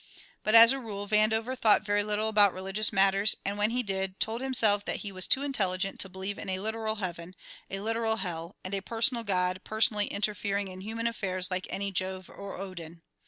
But, as a rule, Vandover thought very little about religious matters and when he did, told himself that he was too intelligent to believe in a literal heaven, a literal hell, and a personal God personally interfering in human affairs like any Jove or Odin.